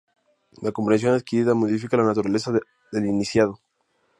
La comprensión adquirida modifica la naturaleza del iniciado.